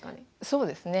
そうですね。